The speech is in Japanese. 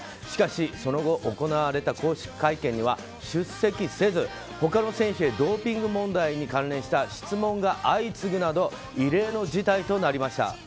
しかし、その後行われた公式会見には出席せず他の選手にドーピング問題に関連した質問が相次ぐなど異例の事態となりました。